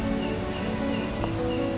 pak suria bener